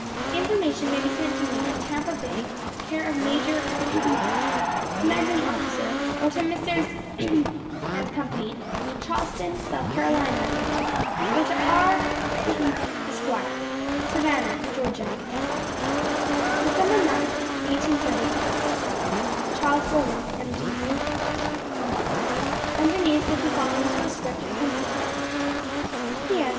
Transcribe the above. "Information may be sent to me at Tampa Bay, care of Major , commanding officer; or to Messrs. & Co., Charleston, S. C.; or to R. H , Esquire, Savannah, Georgia. "Dec. 9, 1830. "CHARLES GORDON, M.D." Underneath was the following postscript in pencil: "P.S.